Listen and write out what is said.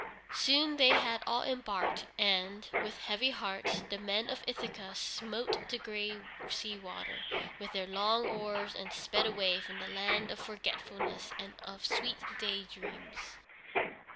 Soon they had all embarked, and, with heavy hearts, the men of Ithaca smote the gray sea water with their long oars, and sped away from the land of forgetfulness and of sweet day dreams.